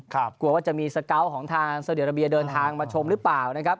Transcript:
กลัวว่าจะมีสเกาะของทางซาเดียราเบียเดินทางมาชมหรือเปล่านะครับ